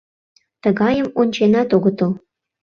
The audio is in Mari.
Тыгайым онченат огытыл.